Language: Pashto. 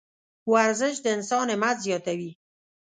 ورزش د انسان همت زیاتوي.